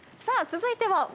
さあ続いては。